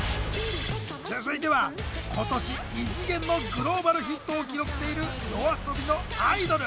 続いては今年異次元のグローバルヒットを記録しているＹＯＡＳＯＢＩの「アイドル」。